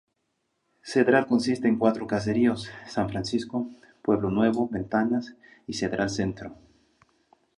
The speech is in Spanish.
Cedral consiste en cuatro caseríos: San Francisco, Pueblo Nuevo, Ventanas, y Cedral Centro.